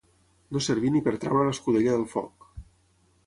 No servir ni per treure l'escudella del foc.